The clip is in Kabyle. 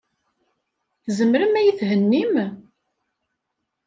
Tzemrem ad iyi-thennim?